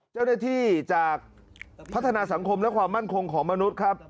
เจ้าหน้าที่จากพัฒนาสังคมและความมั่นคงของมนุษย์ครับ